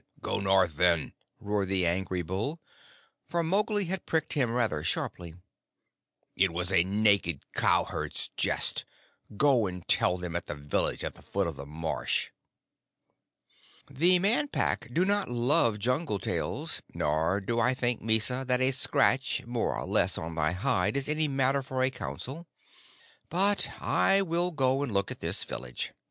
"Go north, then," roared the angry bull, for Mowgli had pricked him rather sharply. "It was a naked cowherd's jest. Go and tell them at the village at the foot of the marsh." "The Man Pack do not love jungle tales, nor do I think, Mysa, that a scratch more or less on thy hide is any matter for a council. But I will go and look at this village.